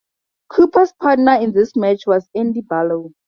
Cooper's partner in this match was Andy Barlow.